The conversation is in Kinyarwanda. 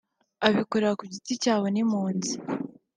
abikorera ku giti cyabo n’impunzi